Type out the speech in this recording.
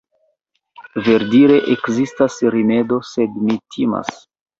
verdire ekzistas rimedo, sed mi timas.